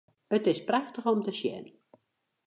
It is prachtich om te sjen.